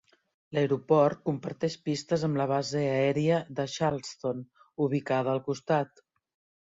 L'aeroport comparteix pistes amb la base aèria de Charleston, ubicada al costat.